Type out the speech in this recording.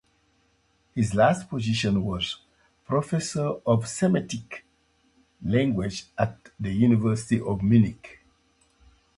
His last position was professor of the Semitic languages at the University of Munich.